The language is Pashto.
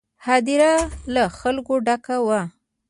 هدیره له خلکو ډکه وه.